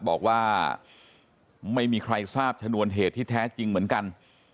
บอกว่าไม่มีใครทราบชนวนเหตุที่แท้จริงเหมือนกัน